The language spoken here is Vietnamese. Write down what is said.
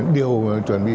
điều chuẩn bị